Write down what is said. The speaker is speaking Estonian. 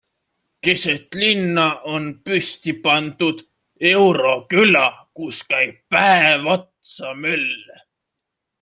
Keset linna on püsti pandud euroküla, kus käib päev otsa möll.